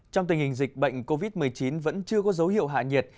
trong tình hình dịch bệnh covid một mươi chín vẫn chưa có dấu hiệu hạ nhiệt